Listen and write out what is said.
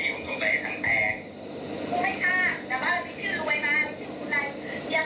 คุณอยู่ไม่เจอตัวหนึ่งกว่าที่หน้าบ้าน